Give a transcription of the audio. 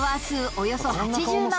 およそ８０万